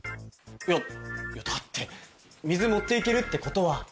いやだって水持って行けるってことは。